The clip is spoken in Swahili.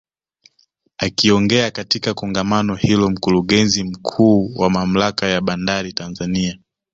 Akiongea katika Kongamano hilo Mkurugenzi Mkuu wa Mamlaka ya Bandari Tanzania